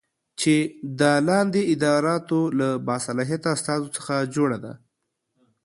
چې د لاندې اداراتو له باصلاحیته استازو څخه جوړه دی